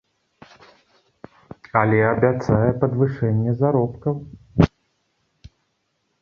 Але абяцае падвышэнне заробкаў.